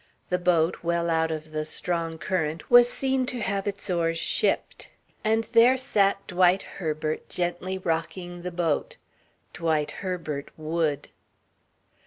The boat, well out of the strong current, was seen to have its oars shipped; and there sat Dwight Herbert gently rocking the boat. Dwight Herbert would.